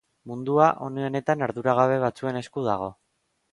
Mundua, une honetan, arduragabe batzuen esku dago.